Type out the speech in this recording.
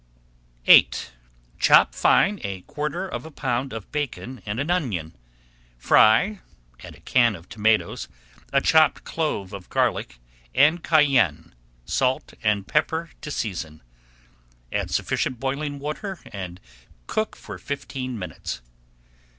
VIII Chop fine a quarter of a pound of bacon and an onion. Fry, add a can of tomatoes, a chopped clove of garlic, and cayenne, salt, and pepper to season. Add sufficient boiling water and cook for fifteen minutes.